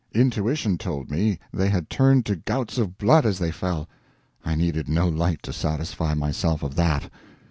Intuition told me they had turned to gouts of blood as they fell I needed no light to satisfy myself of that.